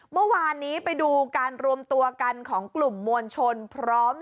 เมื่อวานนี้ไปดูการรวมตัวกันของกลุ่มมวลชนพร้อม